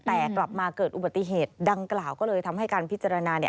แต่กลับมาเกิดอุบัติเหตุดังกล่าวก็เลยทำให้การพิจารณา